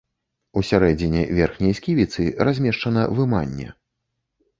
У сярэдзіне верхняй сківіцы размешчана выманне.